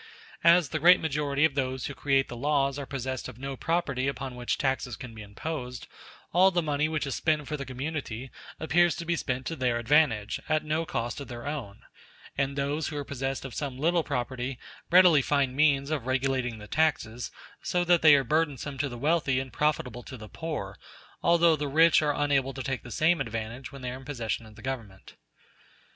As the great majority of those who create the laws are possessed of no property upon which taxes can be imposed, all the money which is spent for the community appears to be spent to their advantage, at no cost of their own; and those who are possessed of some little property readily find means of regulating the taxes so that they are burdensome to the wealthy and profitable to the poor, although the rich are unable to take the same advantage when they are in possession of the Government.